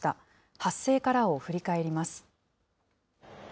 発生からを振り返ります。